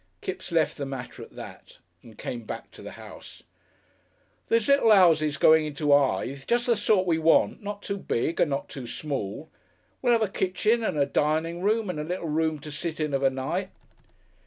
Kipps left the matter at that and came back to the house. "There's little 'ouses going into Hythe, just the sort we want, not too big and not too small. We'll 'ave a kitching and a dining room and a little room to sit in of a night."